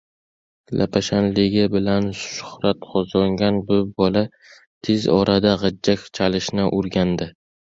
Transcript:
Lapashangligi bilan shuhrat qozongan bu bola tez orada gʻijjak chalishni oʻrgandi.